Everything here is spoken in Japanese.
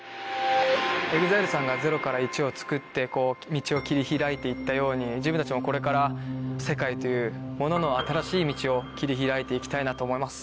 ＥＸＩＬＥ さんがゼロからイチをつくって道を切り拓いて行ったように自分たちもこれから世界というものの新しい道を切り拓いて行きたいなと思います。